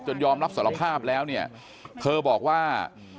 จนยอมรับสารภาพแล้วเธอบอกว่า